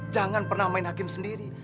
jangan pernah main hakim sendiri